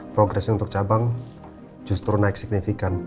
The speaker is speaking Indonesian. progresnya untuk cabang justru naik signifikan